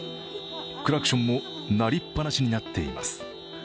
クラクションも鳴りっぱなしになっています。